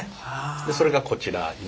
それがこちら今。